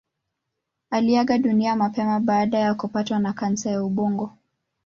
Aliaga dunia mapema baada ya kupatwa na kansa ya ubongo.